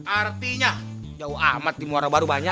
artinya jauh amat di muara baru banyak